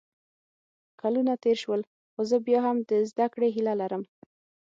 کلونه تېر شول خو زه بیا هم د زده کړې هیله لرم